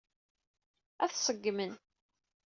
Ad t-ṣeggmen.